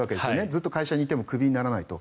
ずっと会社にいてもクビにならないと。